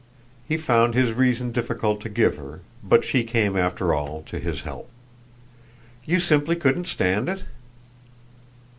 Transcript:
He found his reason difficult to give her, but she came after all to his help. "You simply couldn't stand it?"